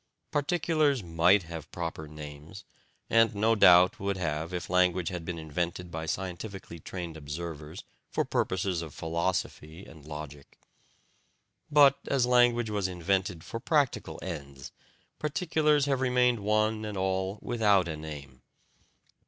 Particulars MIGHT have proper names, and no doubt would have if language had been invented by scientifically trained observers for purposes of philosophy and logic. But as language was invented for practical ends, particulars have remained one and all without a name.